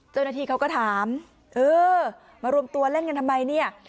เจ้าหน้าที่เขาก็ถามเออมารวมตัวเล่นกันทำไมเนี่ย